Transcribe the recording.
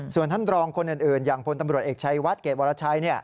ส่วนท่านรองคนอื่นอย่างพลตำรวจเอกชัยวัดเกรดวรชัย